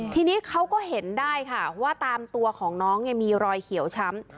ทีนี้เขาก็เห็นได้ค่ะว่าตามตัวของน้องเนี่ยมีรอยเขียวช้ำ